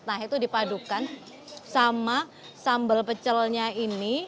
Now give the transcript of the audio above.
nah itu dipadukan sama sambal pecelnya ini